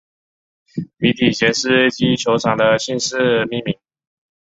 米底捷斯基球场的姓氏命名。